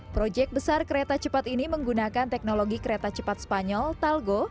proyek besar kereta cepat ini menggunakan teknologi kereta cepat spanyol talgo